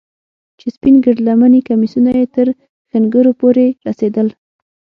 چې سپين گرد لمني کميسونه يې تر ښنگرو پورې رسېدل.